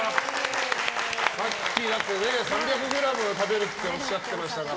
さっき、３００ｇ食べるっておっしゃっていましたから。